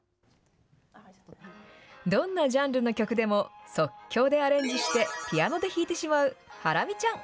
どんなジャンルの曲でも即興でアレンジして、ピアノで弾いてしまうハラミちゃん。